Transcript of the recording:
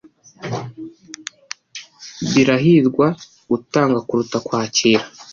Birahirwa gutanga kuruta kwakira.